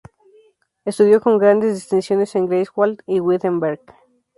Estudió con grandes distinciones en Greifswald y Wittenberg.